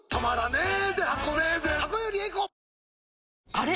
あれ？